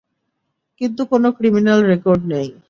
কিন্তু কোনো criminal record নেই।